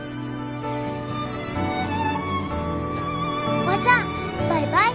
おばちゃんバイバイ。